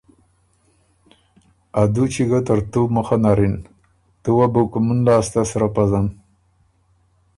ا دُوچی ګه ترتُو مُخه نر اِن، تُو وه بو کُومُن لاسته سرۀ پزن۔